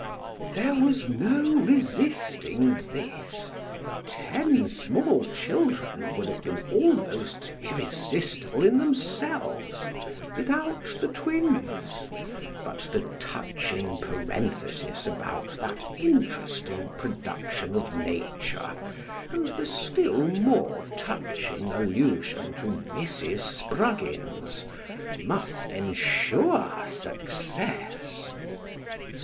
" There was no resisting this ; ten small children would have been almost irresistible in themselves, without the twins, but the touching parenthesis about that interesting production of nature, and the still more touching allusion to Mrs. Spruggins, must ensure success.